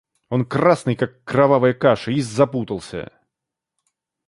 Он красный, как кровавая каша, и запутался.